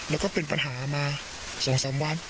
แล้วก็เป็นปัญหามา๒๓วัน